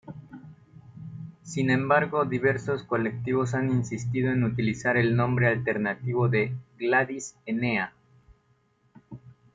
Sin embargo diversos colectivos han insistido en utilizar el nombre alternativo de "Gladys Enea".